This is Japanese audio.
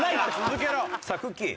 さあくっきー！。